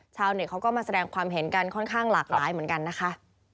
เขาก็มาแสดงความเห็นกันค่อนข้างหลากหลายเหมือนกันนะคะ